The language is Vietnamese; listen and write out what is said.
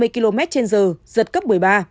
một trăm hai mươi km trên giờ giật cấp một mươi ba